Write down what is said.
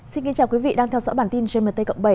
xin kính chào quý vị đang theo dõi bản tin gmt cộng bảy